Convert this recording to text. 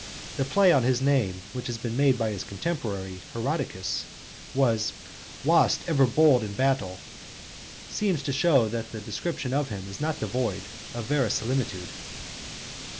The play on his name which was made by his contemporary Herodicus (Aris. Rhet.), 'thou wast ever bold in battle,' seems to show that the description of him is not devoid of verisimilitude.